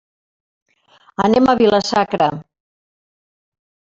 Anem a Vila-sacra.